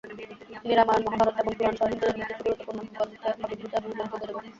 তিনি রামায়ণ, মহাভারত এবং পুরাণ সহ হিন্দুধর্মের কিছু গুরুত্বপূর্ণ গ্রন্থে আবির্ভূত এবং উল্লেখযোগ্য দেবতা।